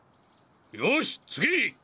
よおし次！